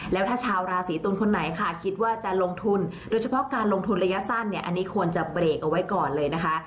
แล้วถ้าชาวราศีตุลคนไหนค่ะคิดว่าจะลงทุนโดยเฉพาะการลงทุนระยะสั้นเนี่ยอันนี้ควรจะเบรกเอาไว้ก่อนเลยนะคะ